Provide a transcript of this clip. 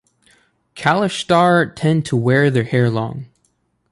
Kalashtar tend to wear their hair long.